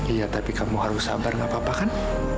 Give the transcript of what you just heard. iya tapi kamu harus sabar gak apa apa kan